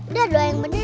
udah doa yang bener dong